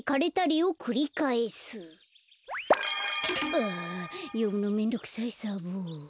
あよむのめんどくさいサボ。